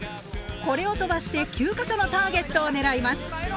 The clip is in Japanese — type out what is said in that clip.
これを飛ばして９か所のターゲットを狙います。